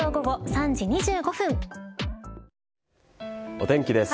お天気です。